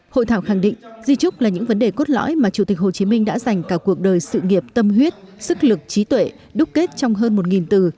hội thảo khẳng định di trúc là những vấn đề cốt lõi mà chủ tịch hồ chí minh đã dành cả cuộc đời sự nghiệp tâm huyết sức lực trí tuệ đúc kết trong hơn một từ